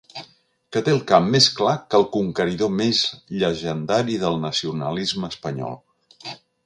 Que té el cap més clar que el conqueridor més llegendari del nacionalisme espanyol.